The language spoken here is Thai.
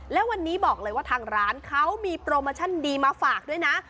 และวันนี้บอกเลยว่าทางร้านเขามีโปรโมชั่นดีมาฝากด้วยนะ